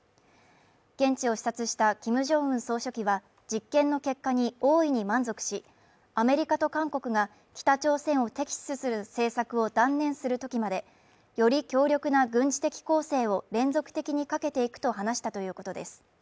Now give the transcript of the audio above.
現地を視察したキム・ジョンウン総書記は、実験の結果に大いに満足し、アメリカと韓国が北朝鮮を敵視する政策を断念するときまでより強力な軍事的攻勢を連続的にかけていくと話したということです。